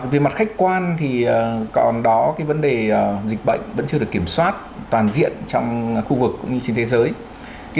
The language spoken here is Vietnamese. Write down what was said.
về mặt khách quan thì còn đó vấn đề dịch bệnh vẫn chưa được kiểm soát toàn diện trong khu vực cũng như trên thế giới